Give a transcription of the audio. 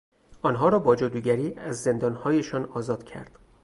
آنها را با جادوگری از زندانهایشان آزاد کرد.